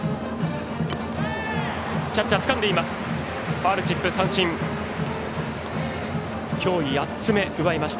キャッチャー、つかんでいます。